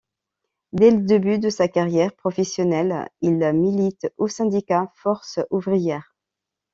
Dès le début de sa carrière professionnelle, il milite au syndicat Force ouvrière.